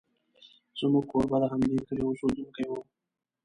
زموږ کوربه د همدې کلي اوسېدونکی و.